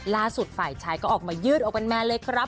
ล่าสุดฝ่ายชายก็ออกมายืดโอเปิ้ลแมนเลยครับ